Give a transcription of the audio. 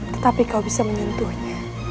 tetapi kau bisa menyentuhnya